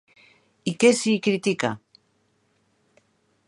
I què s'hi critica?